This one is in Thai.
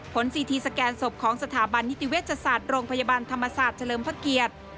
ซีทีสแกนศพของสถาบันนิติเวชศาสตร์โรงพยาบาลธรรมศาสตร์เฉลิมพระเกียรติ